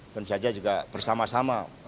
dan juga bersama sama